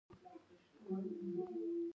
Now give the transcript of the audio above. • نجونه د ونې لاندې کښېناستې.